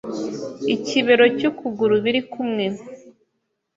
ikibero cy’ukuguru biri kumwe